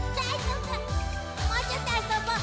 もうちょっとあそぼう！